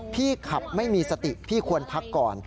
พี่ขับไม่มีสติพี่ควรพักก่อน